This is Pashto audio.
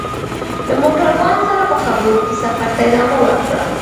له موټروان سره په خبرو کې سفر ته ادامه ورکړه.